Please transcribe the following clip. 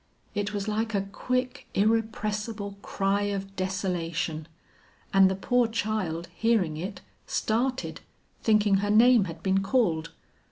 It was like a quick irrepressible cry of desolation, and the poor child hearing it, started, thinking her name had been called.